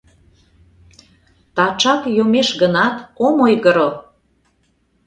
Тачак йомеш гынат, ом ойгыро.